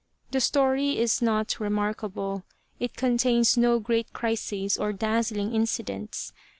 The story is not remarkable. It contains no great crises or dazzling incidents.